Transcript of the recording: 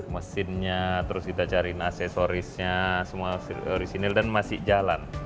mesinnya terus kita cari aksesorisnya semua orisinil dan masih jalan